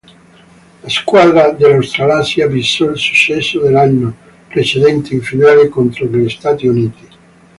La squadra dell'Australasia bissò il successo dell'anno precedente in finale contro gli Stati Uniti.